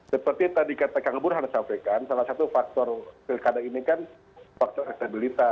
seperti tadi kata kang eburhan salah satu faktor pilkada ini kan faktor elektabilitas